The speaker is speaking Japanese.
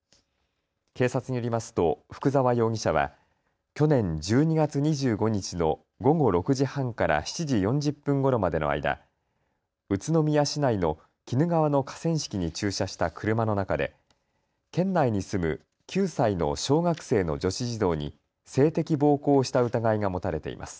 警察によりますと、福澤容疑者は去年１２月２５日の午後６時半から７時４０分ごろまでの間、宇都宮市内の鬼怒川の河川敷に駐車した車の中で県内に住む９歳の小学生の女子児童に性的暴行をした疑いが持たれています。